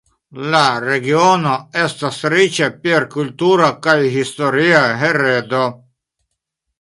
La regiono estas riĉa per kultura kaj historia heredo.